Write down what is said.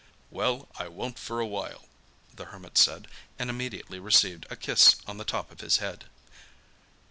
"Well, I won't for a while," the Hermit said and immediately received a kiss on the top of his head.